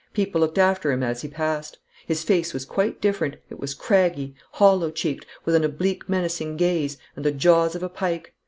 People looked after him as he passed. His face was quite different it was craggy, hollow cheeked, with an oblique menacing gaze, and the jaws of a pike.